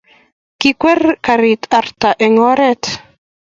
kikwer karit arte eng' oret